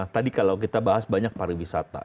tadi kalau kita bahas banyak pariwisata